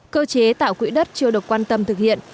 cơ chế tạo quỹ đất chưa được quan tâm thực hiện